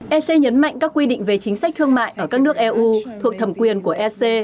ec nhấn mạnh các quy định về chính sách thương mại ở các nước eu thuộc thẩm quyền của ec